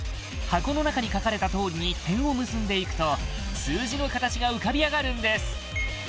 箱の中に書かれたとおりに点を結んでいくと数字の形が浮かび上がるんです